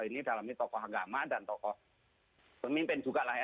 ini dalamnya tokoh agama dan tokoh pemimpin juga lah